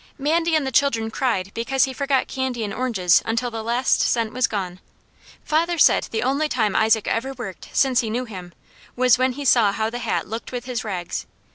Mandy and the children cried because he forgot candy and oranges until the last cent was gone. Father said the only time Isaac ever worked since he knew him was when he saw how the hat looked with his rags.